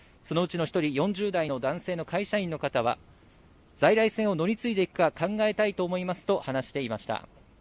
そのうちの一人、４０代の男性の会社員の方は、在来線を乗り継いでいくか考えたいと思いますと、話していました。